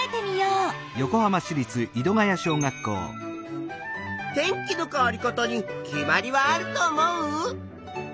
天気の変わり方に決まりはあると思う？